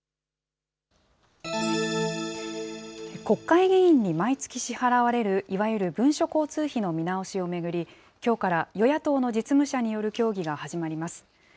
国会議員に毎月支払われるいわゆる文書交通費の見直しを巡り、きょうから与野党の実務者による協議が始まります。